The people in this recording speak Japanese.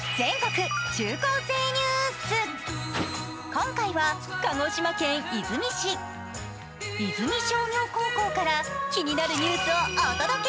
今回は鹿児島県出水市、出水商業高校から気になるニュースをお届け。